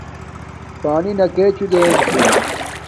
پانی نݣو دیم چھوم